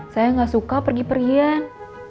saya nggak suka pergi pergian